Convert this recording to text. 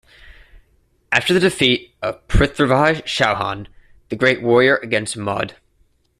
After the defeat of PrithviRaj Chauhan, the great warrior against Mohd.